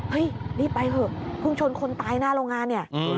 เฮ้ยรีบไปเถอะเพิ่งชนคนตายหน้าโรงงานเนี่ย